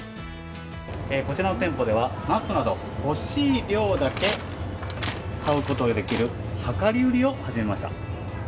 こちらの店舗では、ナッツなど、欲しい量だけ買うことができる、量り売りを始めました。